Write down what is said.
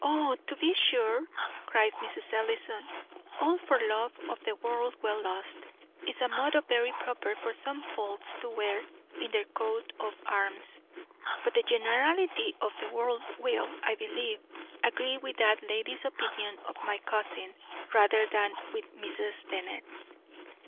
to be sure," cries Mrs. Ellison; "All for Love, or the World well Lost, is a motto very proper for some folks to wear in their coat of arms; but the generality of the world will, I believe, agree with that lady's opinion of my cousin, rather than with Mrs. Bennet."